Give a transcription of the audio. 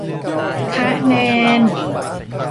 คะแนน